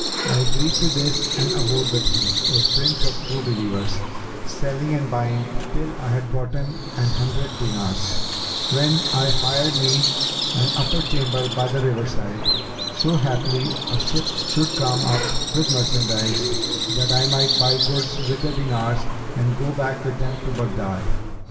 I agreed to this and abode with him, O Prince of True Believers, selling and buying, till I had gotten an hundred dinars; when I hired me an upper chamber by the river side, so haply a ship should come up with merchandise, that I might buy goods with the dinars and go back with them to Baghdad.